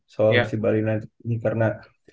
soal si bali united ini karena